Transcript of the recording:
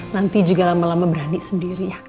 nanti juga lama lama berani sendiri ya